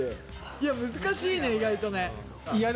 いや難しいね意外とね。